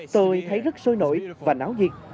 tôi thấy rất sôi nổi và náo nhiệt